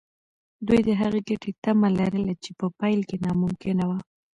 دوی د هغې ګټې تمه لرله چې په پیل کې ناممکنه وه.